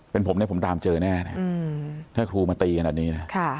เป็นผมเนี่ยผมตามเจอแน่ถ้าครูมาตีขนาดนี้นะ